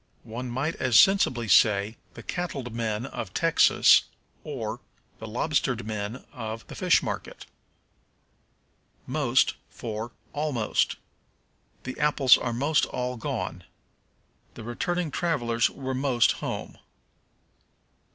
One might as sensibly say, "The cattled men of Texas," or, "The lobstered men of the fish market." Most for Almost. "The apples are most all gone." "The returning travelers were most home."